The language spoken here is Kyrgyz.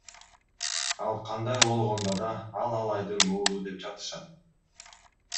Ал кандай болгондо да, ал Алайдын уулу, деп жатышат.